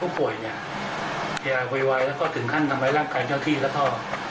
ป่วยเนี่ยอย่าโวยวายแล้วก็ถึงขั้นทำร้ายร่างกายเจ้าที่แล้วก็